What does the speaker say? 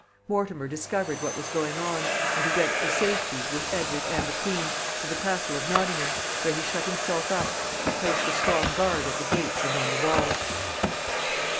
Mortimer discovered what was going on, and he went for safety, with Edward and the queen, to the castle of Nottingham, where he shut himself up, and placed a strong guard at the gates and on the walls.